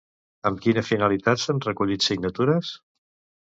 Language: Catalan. Amb quina finalitat s'han recollit signatures?